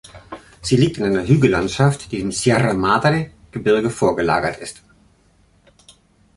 Sie liegt in einer Hügellandschaft die dem Sierra Madre Gebirge vorgelagert ist.